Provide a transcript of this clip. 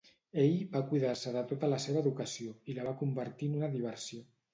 Ell va cuidar-se de tota la seva educació i la va convertir en una diversió.